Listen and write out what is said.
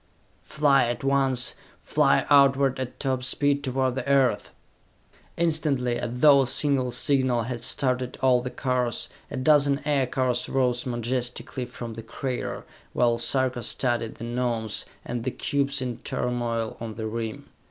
"Fly at once! Fly outward at top speed toward the Earth!" Instantly, as though a single signal had started all the cars, a dozen aircars rose majestically from the crater, while Sarka studied the Gnomes and the cubes in turmoil on the rim.